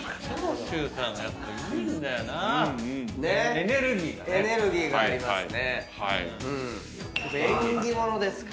エネルギーがありますね。